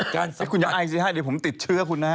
คุณจะอ่ายดิฉันใหญ่เดี๋ยวผมติดเชื้อคุณน่ะ